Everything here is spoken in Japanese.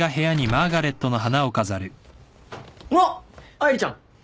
愛梨ちゃん。